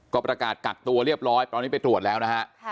ก็ประกาศกักตัวเรียบร้อยตอนนี้ไปตรวจแล้วนะฮะ